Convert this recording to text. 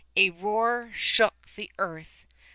A roar shook the earth.